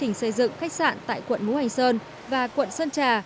tỉnh xây dựng khách sạn tại quận mũ hành sơn và quận sơn trà